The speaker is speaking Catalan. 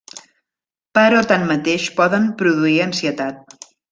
Però tanmateix poden produir ansietat.